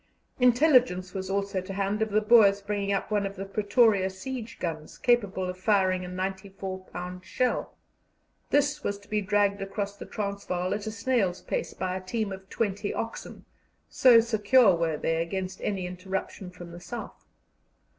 Intelligence was also to hand of the Boers bringing up one of the Pretoria siege guns, capable of firing a 94 pound shell. This was to be dragged across the Transvaal at a snail's pace by a team of twenty oxen, so secure were they against any interruption from the South.